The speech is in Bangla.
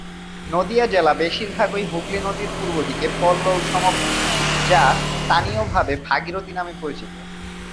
নদিয়া জেলা বেশিরভাগই হুগলি নদীর পূর্বদিকে পলল সমভূমি, যা স্থানীয়ভাবে ভাগীরথী নামে পরিচিত।